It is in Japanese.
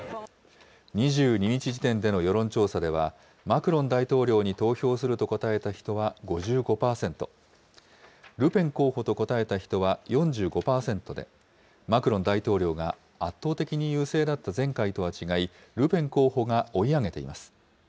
２２日時点での世論調査では、マクロン大統領に投票すると答えた人は５５％、ルペン候補と答えた人は４５％で、マクロン大統領が圧倒的に優勢だった前回とは違い、ルペン候補が追い上げています。